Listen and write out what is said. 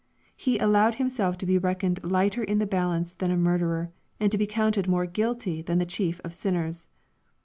He allowed Himself to be reckoned lighter in the balance than a murderer, and to be counted more guilty than the chief of sinners